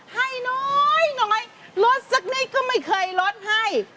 ให้น้อยรสสักนิดก็ไม่เคยรสให้